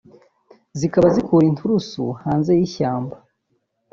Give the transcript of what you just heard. zikaba zikura inturusu hanze y’ishyamba